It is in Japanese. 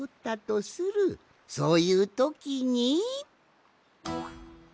そういうときに。